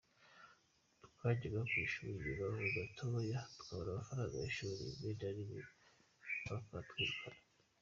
Twajyaga ku ishuri nyuma ho gatoya twabura amafaranga y’ishuri rimwe na rimwe bakatwirukana.